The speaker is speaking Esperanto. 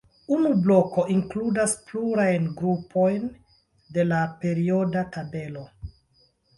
Unu bloko inkludas plurajn grupojn de la perioda tabelo.